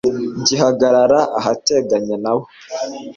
gihagarara ahateganye na bo